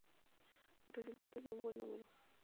Restaurantes en un buen número.